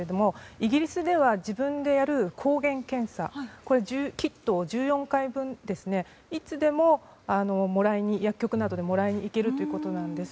イギリスでは自分でやる抗原検査キットを１４回分いつでも薬局などでもらいに行けるということなんです。